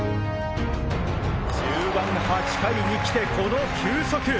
終盤８回に来てこの球速！